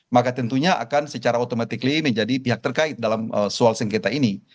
maka tentunya akan secara otomatis menjadi pihak terkait dalam soal sengketa ini